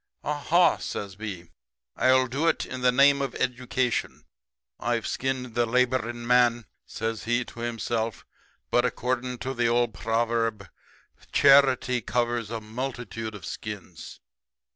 "'Aha!' says B, 'I'll do it in the name of Education. I've skinned the laboring man,' says he to himself, 'but, according to the old proverb, "Charity covers a multitude of skins."'